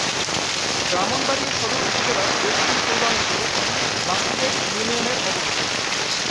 ব্রাহ্মণবাড়িয়া সদর উপজেলার দক্ষিণ-পূর্বাংশে বাসুদেব ইউনিয়নের অবস্থান।